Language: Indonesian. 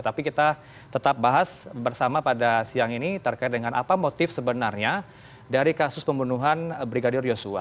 tapi kita tetap bahas bersama pada siang ini terkait dengan apa motif sebenarnya dari kasus pembunuhan brigadir yosua